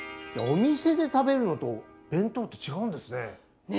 お店で食べるのと弁当って違うんですね。